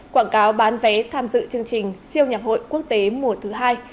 quảng cáo bán vé tham dự chương trình siêu nhạc hội quốc tế mùa thứ hai